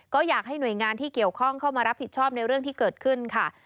ก็อยากให้หน่วยงานที่เกี่ยวข้องเข้ามารับผิดชอบในเรื่องที่เกิดขึ้นค่ะ